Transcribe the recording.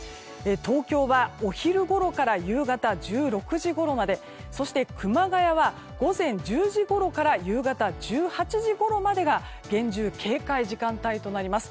東京は、お昼ごろから夕方１６時ごろまでそして熊谷は午前１０時ごろから夕方１８時ごろまでが厳重警戒時間帯となります。